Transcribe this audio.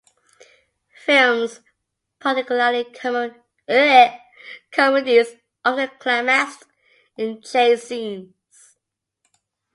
Films, particularly comedies, often climaxed in chase scenes.